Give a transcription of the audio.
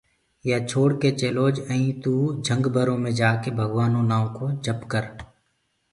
يآ ڇوڙڪي چلوج ائيٚنٚ توٚ جهنگ برو مي جآڪي ڀگوآنو نآئونٚ ڪو جپ ڪر